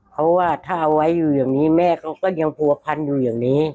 เพราะว่าถ้าเอาไว้อยู่อย่างนี้แม่เขาก็ยังผัวพันอยู่อย่างนี้